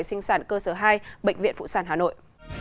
sinh sản cơ sở hai bệnh viện phụ sản hà nội